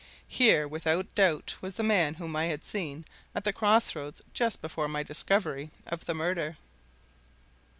Here, without doubt, was the man whom I had seen at the cross roads just before my discovery of the murder!